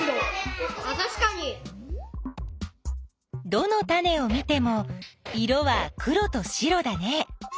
どのタネを見ても色は黒と白だね。